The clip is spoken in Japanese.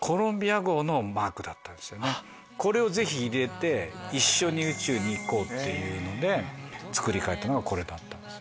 これをぜひ入れて一緒に宇宙に行こう！って作り替えたのがこれだったんです。